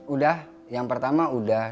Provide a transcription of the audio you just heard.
udah yang pertama udah